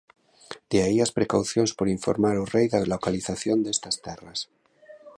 De aí as precaucións por informar o rei da localización destas terras.